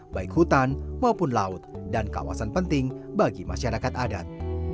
baik hutan maupun laut dan kawasan penting bagi masyarakat adat